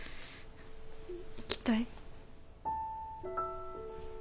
行きたい。